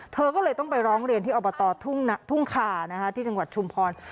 เธอก็เลยต้องไปร้องเรียนที่อบตทุ่งคาที่จังหวัดชุมพร